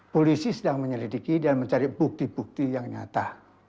polisi sedang menyelidiki dan mencari bukti bukti yang nyata